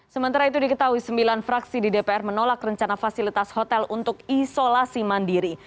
sementara itu diketahui sembilan fraksi di dpr menolak rencana fasilitas hotel untuk isolasi mandiri